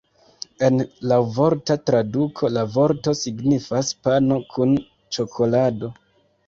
En laŭvorta traduko la vorto signifas "pano kun ĉokolado".